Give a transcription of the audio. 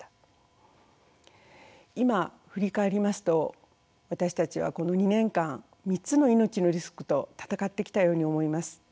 今振り返りますと私たちはこの２年間３つの命のリスクと闘ってきたように思います。